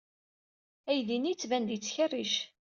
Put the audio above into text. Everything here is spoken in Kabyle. Aydi-nni yettban-d yettkerric.